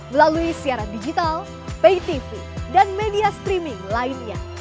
melalui siaran digital pay tv dan media streaming lainnya